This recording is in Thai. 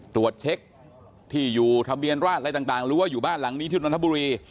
ตรวจเช็คที่อยู่ทะเบียนราชอะไรต่างรู้ว่าอยู่บ้านหลังนี้ที่นนทบุรี